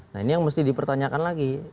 nah ini yang mesti dipertanyakan lagi